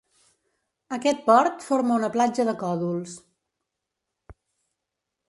Aquest port forma una platja de còdols.